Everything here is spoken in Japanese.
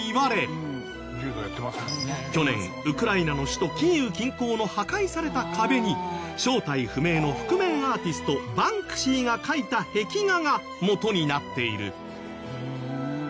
去年ウクライナの首都キーウ近郊の破壊された壁に正体不明の覆面アーティストバンクシーが描いた壁画が元になっている。